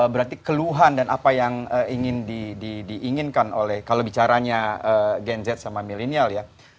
berarti keluhan dan apa yang ingin diinginkan oleh kalau bicaranya gen z sama millenial ya